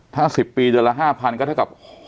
ถ้า๑๐ปีเดือนละ๕๐๐ก็เท่ากับ